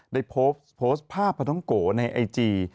ได้โพสต์ภาพพท้องโกในไอจี